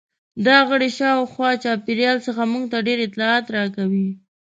دا غړي شاوخوا چاپیریال څخه موږ ته ډېر اطلاعات راکوي.